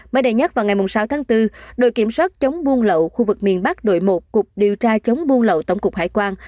mới đây nhất vào ngày sáu tháng bốn đội kiểm soát chống buôn lậu khu vực miền bắc đội một cục điều tra chống buôn lậu tổng cục hải quan